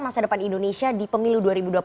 masa depan indonesia di pemilu dua ribu dua puluh empat